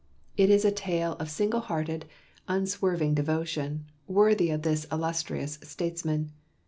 It is a tale of single hearted, unswerving devotion, worthy of this illustrious statesman.